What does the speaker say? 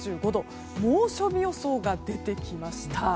猛暑日予想が出てきました。